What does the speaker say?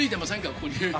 ここに。